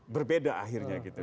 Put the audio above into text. berbeda akhirnya gitu